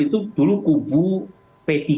itu dulu kubu p tiga